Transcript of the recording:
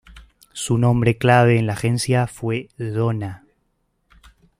Su nombre clave en la agencia fue "Donna".